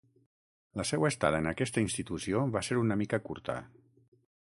La seua estada en aquesta institució va ser una mica curta.